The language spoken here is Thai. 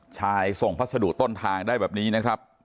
ส่งพัสดุต้นทางได้แบบนี้นะครับ